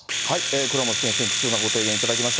倉持先生に貴重なご提言いただきました。